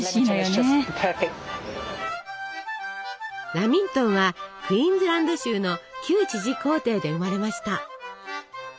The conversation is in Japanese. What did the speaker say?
ラミントンはクイーンズランド州の旧知事公邸で生まれました。